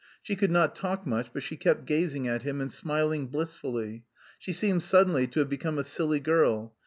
She could not talk much but she kept gazing at him and smiling blissfully. She seemed suddenly to have become a silly girl.